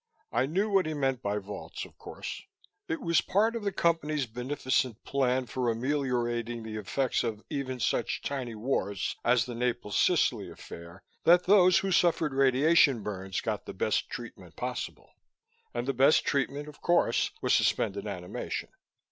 I knew what he meant by vaults, of course. It was part of the Company's beneficent plan for ameliorating the effects of even such tiny wars as the Naples Sicily affair that those who suffered radiation burns got the best treatment possible. And the best treatment, of course, was suspended animation.